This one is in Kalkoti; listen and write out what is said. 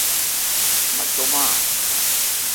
مہ چوم اؘ۔